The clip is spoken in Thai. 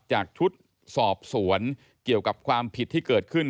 จากชุดสอบสวนเกี่ยวกับความผิดที่เกิดขึ้น